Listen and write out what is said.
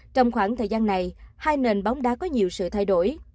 trong khoảng thời gian này hai nền bóng đá có nhiều sự thay đổi